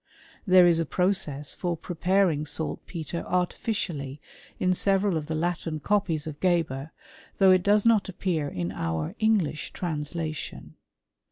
There is a process for preparing saltpetre artificially, in several of the Latin copies of Geber, though it doen not appear in our English translation.